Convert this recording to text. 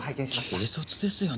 軽率ですよね。